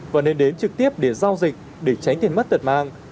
và nên đến trực tiếp để giao dịch để tránh tiền mất tuyệt màng